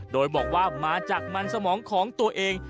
โดยบอกว่ามาจากมันสมองของตัวเอง